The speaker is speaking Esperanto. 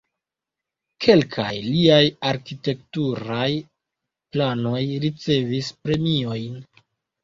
Kelkaj liaj arkitekturaj planoj ricevis premiojn.